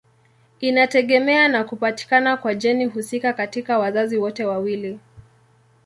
Inategemea na kupatikana kwa jeni husika katika wazazi wote wawili.